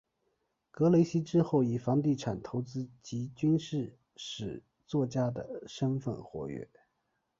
格雷西之后以房地产投资及军事史作家的身分活跃。